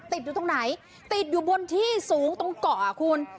ติดอยู่ตรงไหนติดอยู่บนที่สูงตรงเกาะคุณ